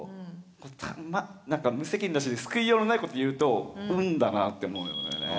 多分まぁなんか無責任だし救いようのないこと言うと運だなって思うよね。